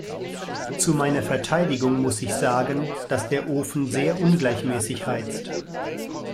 Zu meiner Verteidigung muss ich sagen, dass der Ofen sehr ungleichmäßig heizt.